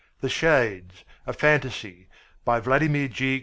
THE SHADES, A PHANTASY BY VLADIMIR G.